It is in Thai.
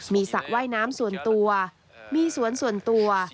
มีสระว่ายน้ำส่วนตัวมีสวนส่วนตัว